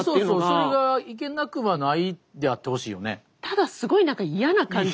それが「いけなくはない」であってほしいよね。